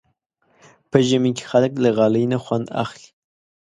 په ژمي کې خلک له غالۍ نه خوند اخلي.